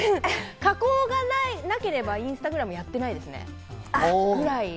加工がなければインスタグラムやってないですね、くらい。